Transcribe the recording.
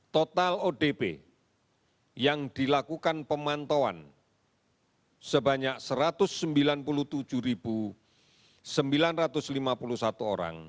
total odp yang dilakukan pemantauan sebanyak satu ratus sembilan puluh tujuh sembilan ratus lima puluh satu orang